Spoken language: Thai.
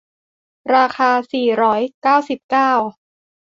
ราคา สี่ร้อยเก้าสิบเก้า